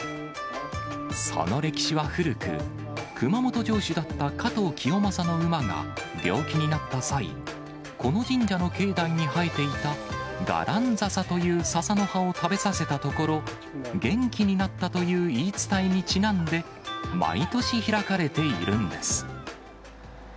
その歴史は古く、熊本城主だった加藤清正の馬が病気になった際、この神社の境内に生えていた、ガランザサというささの葉を食べさせたところ、元気になったという言い伝えにちなんで、毎年開かれているんです。